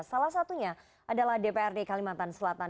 salah satunya adalah dprd kalimantan selatan